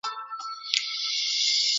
鲁布桑旺丹还是蒙古科学院院士。